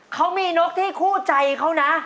เขามีนกที่คู่ใจเขานะ